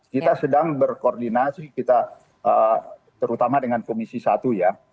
kita sedang berkoordinasi kita terutama dengan komisi satu ya